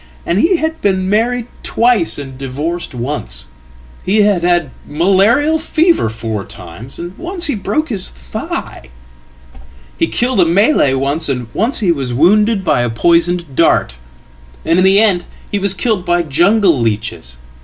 And he had been married twice and divorced once; hehad had malarial fever four times, and once he broke his thigh. He killeda Malay once, and once he was wounded by a poisoned dart. And in the endhe was killed by jungle leeches.